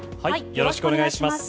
よろしくお願いします。